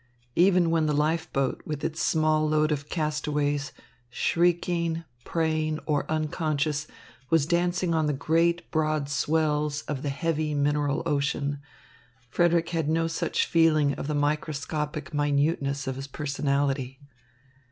Even when the life boat with its small load of castaways, shrieking, praying, or unconscious, was dancing on the great broad swells of the heavy, mineral ocean, Frederick had had no such feeling of the microscopic minuteness of his personality.